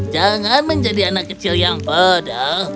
jangan menjadi anak kecil yang beda